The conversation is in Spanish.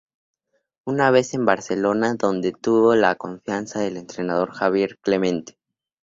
Una vez en Barcelona, donde tuvo la confianza del entrenador Javier Clemente.